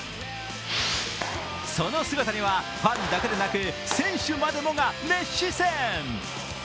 その姿にはファンだけでなく選手までもが熱視線。